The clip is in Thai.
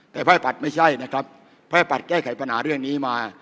แต่ภายปัตรไม่ใช่นะครับภายปัตรแก้ไขปัญหาเรื่องนี้มา